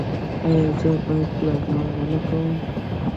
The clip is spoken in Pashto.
ایا زه باید پلازما ولګوم؟